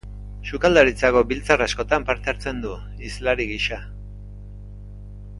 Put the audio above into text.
Sukaldaritzako biltzar askotan parte hartzen du, hizlari gisa.